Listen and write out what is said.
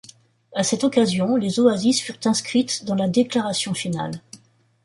À cette occasion, les oasis furent inscrites dans la déclaration finale.